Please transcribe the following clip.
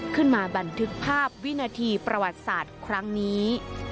บันทึกภาพวินาทีประวัติศาสตร์ครั้งนี้